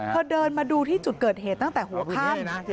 เธอเดินมาดูที่จุดเกิดเหตุตั้งแต่หัวค่ำ